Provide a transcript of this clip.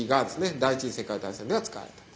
第一次世界大戦では使われたと。